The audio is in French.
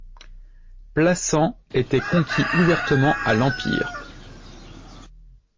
Plassans était conquis ouvertement à l'empire.